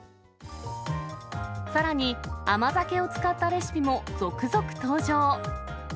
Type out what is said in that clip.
さらに、甘酒を使ったレシピも続々登場。